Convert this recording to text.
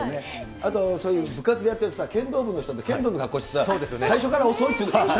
あとそういう部活やってるとさ、剣道部の人って剣道の格好してさ、最初から遅いという。